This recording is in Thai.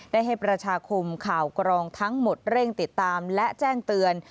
ได้ให้ประชาคมข่าวกรองทั้งหมดเร่งติดตามและแจ้งเตือน